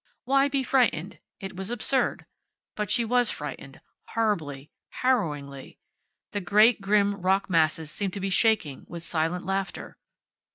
Why be frightened? It was absurd. But she was frightened, horribly, harrowingly. The great, grim rock masses seemed to be shaking with silent laughter.